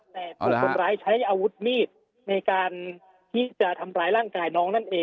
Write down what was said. แต่ถูกคนร้ายใช้อาวุธมีดในการที่จะทำร้ายร่างกายน้องนั่นเอง